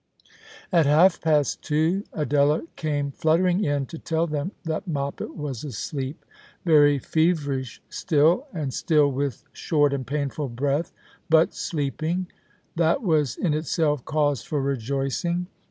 At half past two Adela came fluttering in to tell them that Moppet was asleep ; very feverish still, and still with short and painful breath, but sleeping. That was in itself cause for rejoicing.